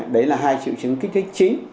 đấy là hai triệu chứng kích thích chính